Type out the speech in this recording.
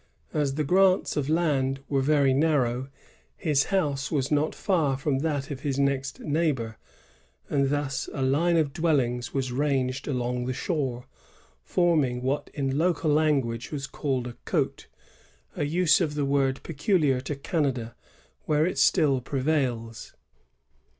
As the grants of land were very narrow, his bouse was not far from that of his next neighbor; and thus a line of dwellings was ranged along the shore, forming what in local language was called a edUf — a use of the word peculiar to Canada, where it still prevails.